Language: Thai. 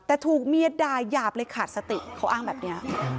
แต่ถูกเมียด่ายาบเลยขาดสติเขาอ้างแบบนี้